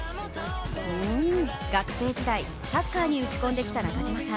学生時代、サッカーに打ち込んできた中島さん。